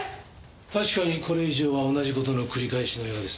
確かにこれ以上は同じ事の繰り返しのようですね。